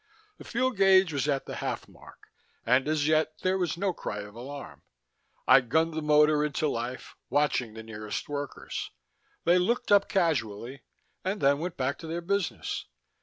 The fuel gauge was at the half mark and, as yet, there was no cry of alarm. I gunned the motor into life, watching the nearest workmen. They looked up casually, and then went back to their business.